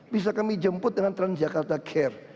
bisa kami jemput dengan transjakarta care